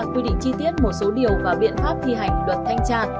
quy định chi tiết một số điều và biện pháp thi hành luật thanh tra